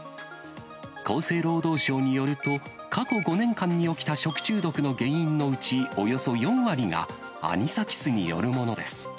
厚生労働省によると、過去５年間に起きた食中毒の原因のうちおよそ４割が、アニサキスによるものです。